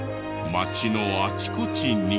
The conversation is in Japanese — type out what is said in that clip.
街のあちこちに。